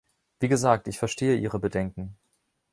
Wie gesagt, ich verstehe Ihre Bedenken.